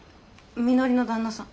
みのりの旦那さん。